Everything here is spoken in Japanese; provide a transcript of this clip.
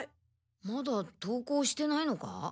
まだ登校してないのか？